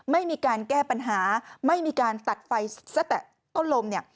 ไม่มีการแก้ปัญหาไม่มีการตัดไฟซะแต่ต้นลมเนี่ย